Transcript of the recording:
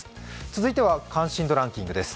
続いては、関心度ランキングです。